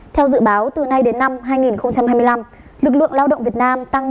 theo dự báo từ nay đến năm hai nghìn hai mươi năm lực lượng lao động việt nam tăng